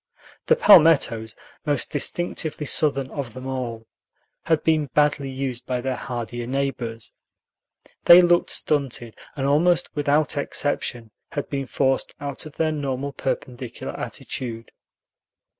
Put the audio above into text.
The palmettos, most distinctively Southern of them all, had been badly used by their hardier neighbors; they looked stunted, and almost without exception had been forced out of their normal perpendicular attitude.